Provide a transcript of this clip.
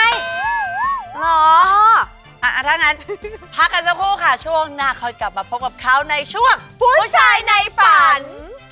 ถ้างั้นพักกันสักครู่ค่ะช่วงหน้าค่อยกลับมาพบกับเขาในช่วงผู้ชายในฝัน